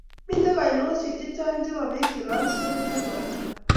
mito oinosiek che chang chebo beek che lolsot eng' Japan